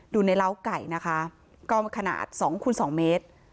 ดูในร้าวไก่นะคะก็ขนาด๒คูณสองเมตร